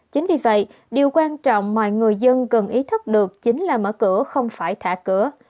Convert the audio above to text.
chính vì vậy điều quan trọng mà người dân cần ý thức được chính là mở cửa không phải thả cửa